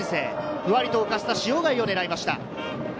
ふわりと浮かせた塩貝を狙いました。